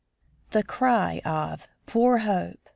The cry of "poor Hope!"